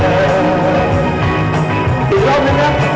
ขอบคุณทุกเรื่องราว